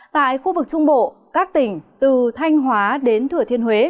tại khu vực trung bộ các tỉnh từ thanh hóa đến thừa thiên huế